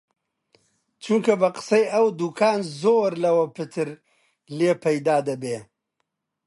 چونکە بە قسەی ئەو، دووکان زۆری لەوە پتر لێ پەیدا دەبێ